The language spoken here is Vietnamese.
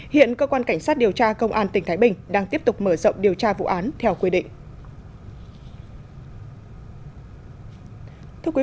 hiện cơ quan cảnh sát điều tra công an tỉnh thái bình đang tiếp tục mở rộng điều tra vụ án theo quy định